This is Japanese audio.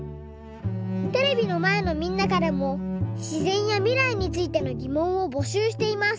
テレビのまえのみんなからもしぜんやみらいについてのぎもんをぼしゅうしています。